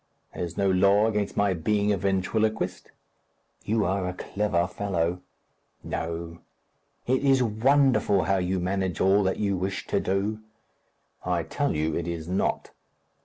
"There is no law against my being a ventriloquist." "You are a clever fellow." "No." "It is wonderful how you manage all that you wish to do." "I tell you it is not."